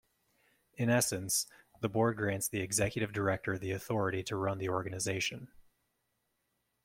In essence, the board grants the executive director the authority to run the organization.